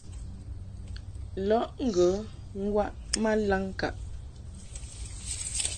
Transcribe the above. Lɔʼ ŋgə waʼ ma laŋŋkaʼ.